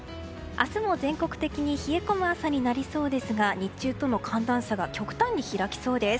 明日も全国的に冷え込む朝になりそうですが日中との寒暖差が極端に開きそうです。